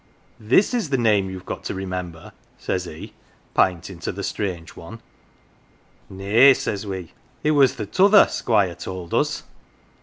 "' This is the name you've got to remember,' says he, p'intin' to the strange one. "' Nay,' says we. ' It was the t'other, Squire told us.'